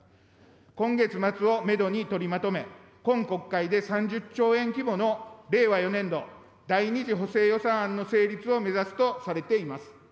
今月末をめどに取りまとめ、今国会で３０兆円規模の令和４年度第２次補正予算案の成立を目指すとされています。